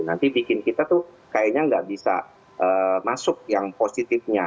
nanti bikin kita tuh kayaknya nggak bisa masuk yang positifnya